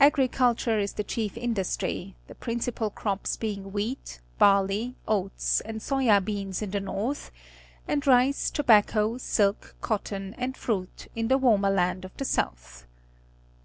Agriculture is the chief industry, the prin cipal crops being \iheat+_baxley, oats, and soy a beans in the north, and rice, tghaccOr silk, cotton, and fr uit in the warmer land* of the south.